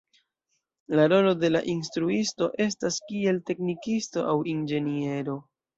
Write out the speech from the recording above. La rolo de la instruisto estas kiel teknikisto aŭ inĝeniero.